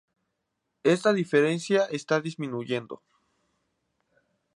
Esta diferencia está disminuyendo.